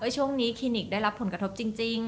ช่วงนี้คลินิกได้รับผลกระทบจริง